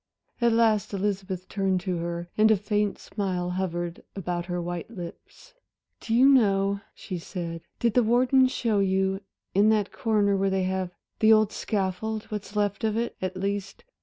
At last Elizabeth turned to her, and a faint smile hovered about her white lips. "Do you know," she said, "did the warden show you? in that corner there they have the old scaffold what's left of it, at least.